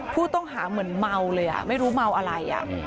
ผู้ต้องหาเหมือนเมาเลยไม่รู้เมาอะไร